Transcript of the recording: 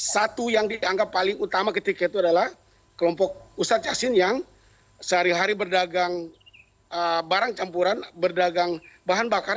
satu yang dianggap paling utama ketika itu adalah kelompok ustadz yassin yang sehari hari berdagang barang campuran berdagang bahan bakar